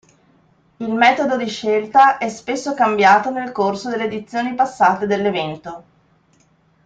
Il metodo di scelta è spesso cambiato nel corso delle edizioni passate dell'evento.